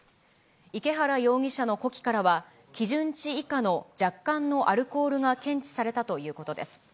池原容疑者の呼気からは、基準値以下の若干のアルコールが検知されたということです。